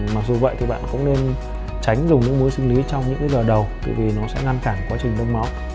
mặc dù vậy thì bạn cũng nên tránh dùng nước muối sinh lý trong những cái giờ đầu vì nó sẽ ngăn cản quá trình đông máu